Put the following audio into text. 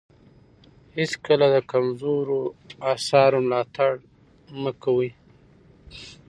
هېڅکله د کمزورو اثارو ملاتړ مه کوئ.